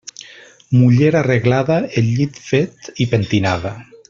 Muller arreglada, el llit fet i pentinada.